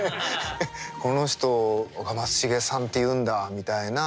この人が松重さんっていうんだみたいな。